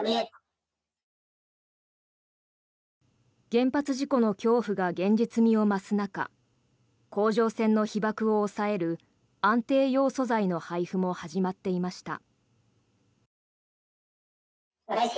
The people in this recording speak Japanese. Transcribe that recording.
原発事故の恐怖が現実味を増す中甲状腺の被ばくを抑える安定ヨウ素剤の配布も始まっていました。